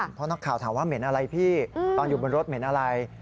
เพราะนักข่าวถามว่าเหม็นอะไรพี่ตอนอยู่บนรถเหม็นอะไร